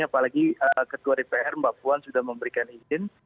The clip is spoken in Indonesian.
apalagi ketua dpr mbak puan sudah memberikan izin